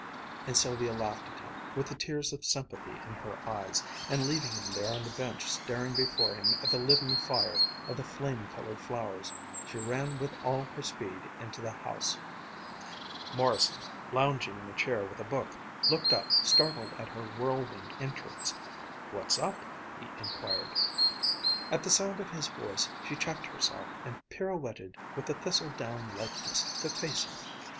and Sylvia laughed at him, with the tears of sympathy in her eyes, and leaving him there on the bench staring before him at the living fire of the flame colored flowers, she ran with all her speed into the house. Morrison, lounging in a chair with a book, looked up, startled at her whirlwind entrance. "What's up?" he inquired. At the sound of his voice, she checked herself and pirouetted with a thistle down lightness to face him.